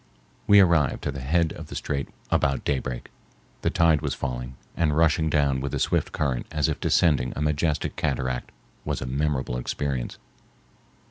We arrived at the head of the strait about daybreak. The tide was falling, and rushing down with the swift current as if descending a majestic cataract was a memorable experience.